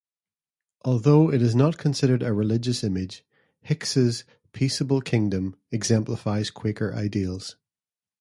Although it is not considered a religious image, Hicks' "Peaceable Kingdom" exemplifies Quaker ideals.